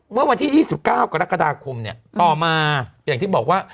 เมื่อวันที่ยี่สิบเก้ากับรักษาคมเนี้ยต่อมาอย่างที่บอกว่า